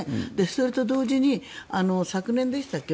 それと同時に、昨年でしたっけ？